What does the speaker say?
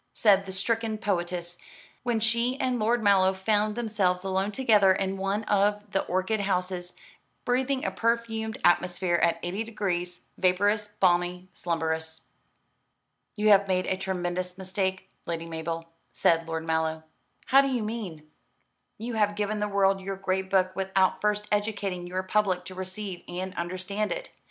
said the stricken poetess, when she and Lord Mallow found themselves alone together in one of the orchid houses, breathing a perfumed atmosphere at eighty degrees, vaporous, balmy, slumberous. "You have made a tremendous mistake, Lady Mabel," said Lord Mallow. "How do you mean?" "You have given the world your great book without first educating your public to receive and understand it.